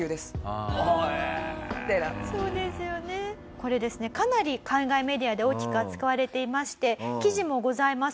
これですねかなり海外メディアで大きく扱われていまして記事もございます。